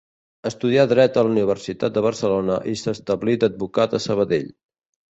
Estudià dret a la universitat de Barcelona i s'establí d'advocat a Sabadell.